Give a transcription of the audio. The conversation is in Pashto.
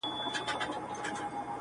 ستا له تصويره سره.